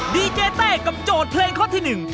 ดีเจแต่กับโจทย์เพลงข้อที่หนึ่ง